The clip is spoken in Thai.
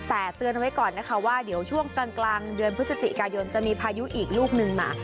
แต่เตือนไว้ก่อนนะคะว่าเดี๋ยวช่วงกลางเดือนพฤศจิกายนจะมีพายุอีกลูกนึงมา